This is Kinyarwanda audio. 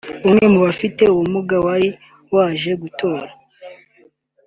umwe mu bafite ubumuga wari waje gutora